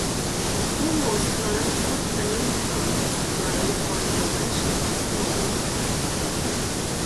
او مستمند بود و نمیتوانست برای خانوادهاش لباس نوروز بخرد.